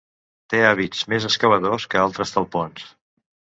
Té hàbits més excavadors que altres talpons.